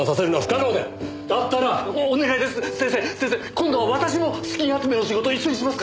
今度は私も資金集めの仕事を一緒にしますから。